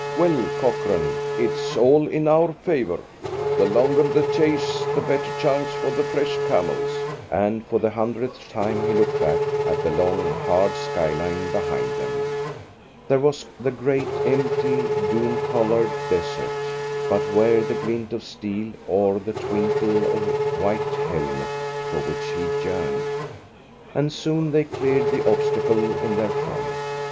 "Well, Cochrane, it's all in our favour. The longer the chase the better chance for the fresh camels!" and for the hundredth time he looked back at the long, hard skyline behind them. There was the great, empty, dun coloured desert, but where the glint of steel or the twinkle of white helmet for which he yearned? And soon they cleared the obstacle in their front.